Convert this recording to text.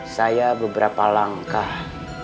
saya beberapa langkah